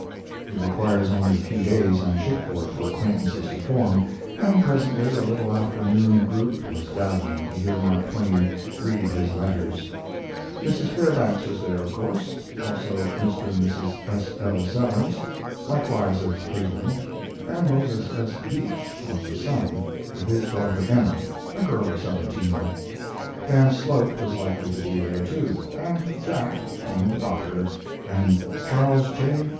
It requires only a few days on shipboard for acquaintances to form, and presently a little afternoon group was gathering to hear Mark Twain read his letters. Mrs. Fairbanks was there, of course, also Mr. and Mrs. S. L. Severance, likewise of Cleveland, and Moses S. Beach, of the Sun, with his daughter Emma, a girl of seventeen. Dan Slote was likely to be there, too, and Jack, and the Doctor, and Charles J.